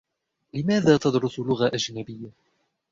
لماذا تدرس لغة أجنبية ؟